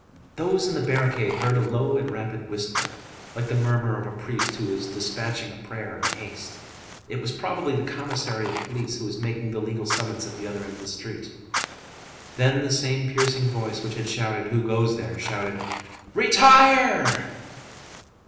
Those in the barricade heard a low and rapid whisper, like the murmur of a priest who is despatching a prayer in haste. It was probably the commissary of police who was making the legal summons at the other end of the street. Then the same piercing voice which had shouted: "Who goes there?" shouted:— "Retire!"